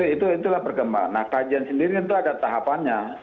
itu adalah perkembangan nah kajian sendiri itu ada tahapannya